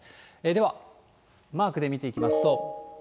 では、マークで見ていきますと。